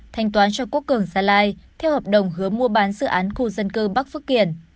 thanh toán cho quốc cường gia lai theo hợp đồng hứa mua bán dự án khu dân cư bắc phước kiển